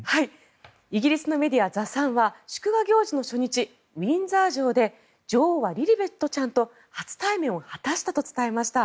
イギリスのメディアザ・サンは祝賀行事の初日ウィンザー城で女王はリリベットちゃんと初対面を果たしたと伝えました。